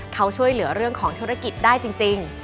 เขาช่วยเหลือเรื่องของธุรกิจได้จริง